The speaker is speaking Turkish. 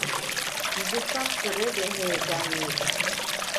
Yüzü sapsarı ve heyecanlıydı.